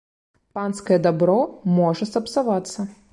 Панскае дабро можа сапсавацца.